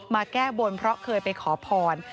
แก้บนเพราะเคยไปขอพร